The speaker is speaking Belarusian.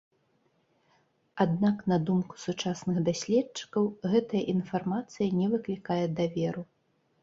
Аднак на думку сучасных даследчыкаў гэтая інфармацыя не выклікае даверу.